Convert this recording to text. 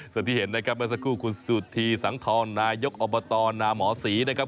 ส่วนที่เห็นนะครับเมื่อสักครู่คุณสุธีสังทองนายกอบตนาหมอศรีนะครับ